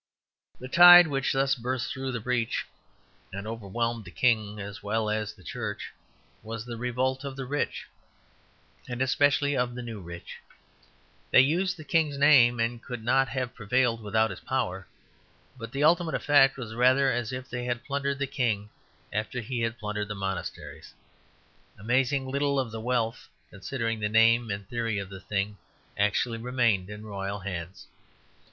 The tide which thus burst through the breach and overwhelmed the King as well as the Church was the revolt of the rich, and especially of the new rich. They used the King's name, and could not have prevailed without his power, but the ultimate effect was rather as if they had plundered the King after he had plundered the monasteries. Amazingly little of the wealth, considering the name and theory of the thing, actually remained in royal hands.